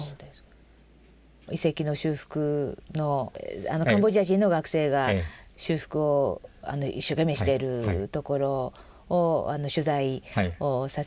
遺跡の修復のカンボジア人の学生が修復を一生懸命しているところを取材をさせて頂いたことがあって。